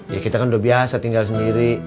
ya kita kan udah biasa tinggal sendiri